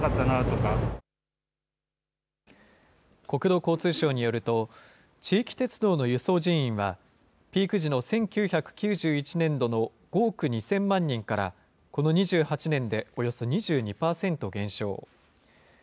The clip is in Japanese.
国土交通省によると、地域鉄道の輸送人員はピーク時の１９９１年度の５億２０００万人から、この２８年でおよそ２２％減少。